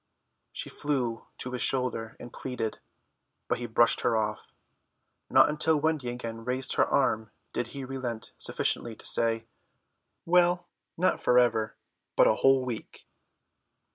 She flew on to his shoulder and pleaded, but he brushed her off. Not until Wendy again raised her arm did he relent sufficiently to say, "Well, not for ever, but for a whole week."